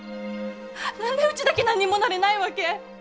何でうちだけ何にもなれないわけ？